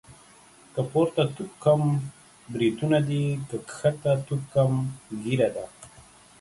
که پورته توکم بريتونه دي.، که کښته توکم ږيره ده.